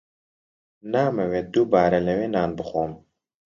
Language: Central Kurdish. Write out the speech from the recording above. نامەوێت دووبارە لەوێ نان بخۆم.